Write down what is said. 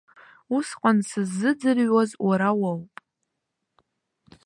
Усҟан сыззыӡырҩуаз уара уоуп.